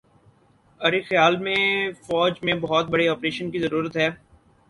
ارے خیال میں فوج میں بہت بڑے آپریشن کی ضرورت ہے